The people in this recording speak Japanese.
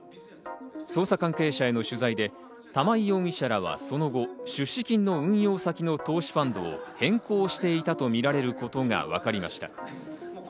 捜査関係者への取材で玉井容疑者らはその後出資金の運用先の投資ファンドを変更していたとみられることがわかりました。